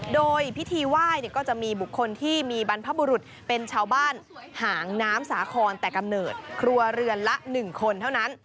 โดยพิธีไหว้ก็จะมีบุคคลที่มีบรรพบุรุษเป็นชาวบ้านหางน้ำสาครแต่กำเนิดครัวเรือนละ๑คนเท่านั้น